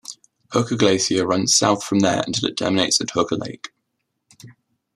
Hooker Glacier runs south from there until its terminus at Hooker Lake.